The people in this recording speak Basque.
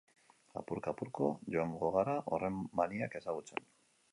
Apurka-apurka joango gara horren maniak ezagutzen.